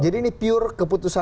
jadi ini pure keputusan